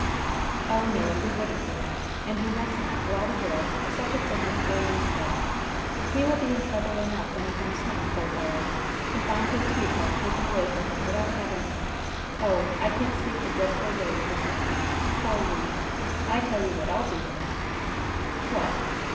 "Oh, no, you wouldn't, Wynnette. And you must not, for all the world, put such a thing in poor Le's head. He will be in trouble enough when he comes home, poor fellow, to find his sweetheart taken away from him without having oh! I can't speak the dreadful word, Wynnette. Poor Le! I tell you what I'll do, Wynnette." "What?"